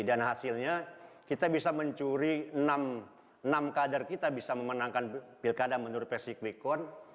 dan hasilnya kita bisa mencuri enam kader kita bisa memenangkan belkada menurut presidik bekon